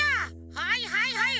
はいはいはい！